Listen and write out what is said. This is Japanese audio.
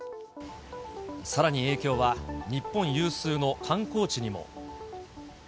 さらに影響は日本有数の観光地にも。